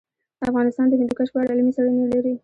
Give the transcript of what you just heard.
افغانستان د هندوکش په اړه علمي څېړنې لري.